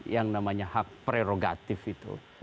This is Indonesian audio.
yang namanya hak prerogatif itu